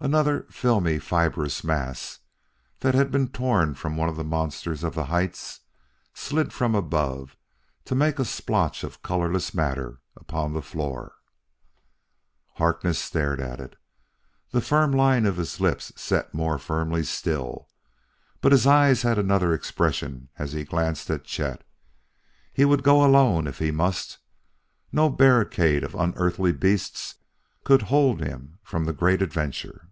Another filmy, fibrous mass that had been torn from one of the monsters of the heights slid from above to make a splotch of colorless matter upon the floor. Harkness stared at it. The firm line of his lips set more firmly still, but his eyes had another expression as he glanced at Chet. He would go alone if he must; no barricade of unearthly beasts could hold him from the great adventure.